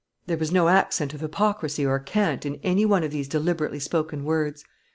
There was no accent of hypocrisy or cant in any one of these deliberately spoken words.